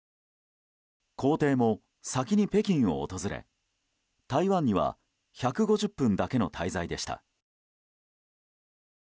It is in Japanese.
行程も、先に北京を訪れ台湾には１５０分だけの滞在でした。